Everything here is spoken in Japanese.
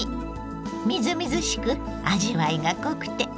みずみずしく味わいが濃くて栄養も満点！